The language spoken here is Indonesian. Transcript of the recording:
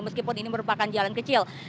meskipun ini merupakan jalan kecil